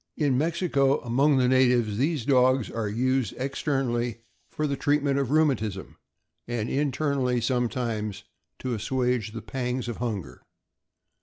In Mexico, among the natives, these dogs are used externally for the treatment of rheumatism, and internally, sometimes, to assuage the pangs of hunger.